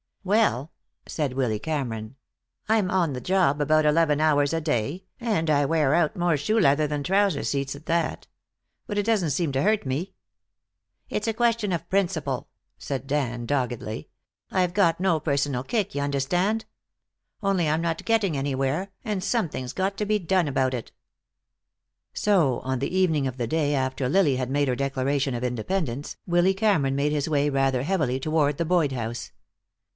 "Well," said Willy Cameron, "I'm on the job about eleven hours a day, and I wear out more shoe leather than trouser seats at that. But it doesn't seem to hurt me." "It's a question of principle," said Dan doggedly. "I've got no personal kick, y'understand. Only I'm not getting anywhere, and something's got to be done about it." So, on the evening of the day after Lily had made her declaration of independence, Willy Cameron made his way rather heavily toward the Boyd house.